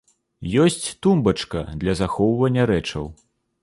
Ёсць тумбачка для захоўвання рэчаў.